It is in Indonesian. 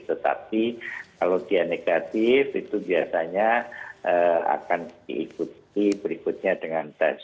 tetapi kalau dia negatif itu biasanya akan diikuti berikutnya dengan tes